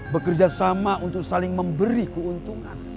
bekerja sama untuk saling memberi keuntungan